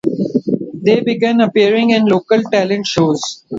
They began appearing in local talent shows.